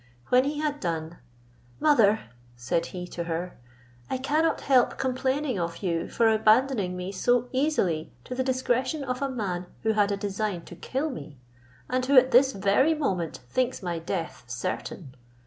When he had done, "Mother," said he to her, "I cannot help complaining of you, for abandoning me so easily to the discretion of a man who had a design to kill me. and who at this very moment thinks my death certain.